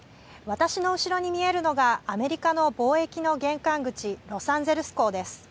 私の後ろに見えるのが、アメリカの貿易の玄関口、ロサンゼルス港です。